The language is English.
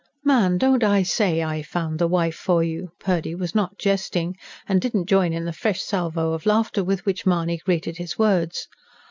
"Man, don't I say I've FOUND the wife for you?" Purdy was not jesting, and did not join in the fresh salvo of laughter with which Mahony greeted his words.